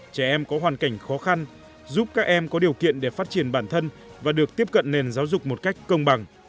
trẻ em có hoàn cảnh khó khăn giúp các em có điều kiện để phát triển bản thân và được tiếp cận nền giáo dục một cách công bằng